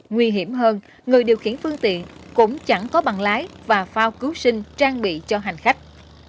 nguy hiểm hơn người điều khiển phương tiện cũng chẳng có bằng lái và phao cứu sinh trang bị cho hành khách